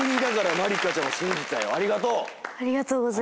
ありがとう。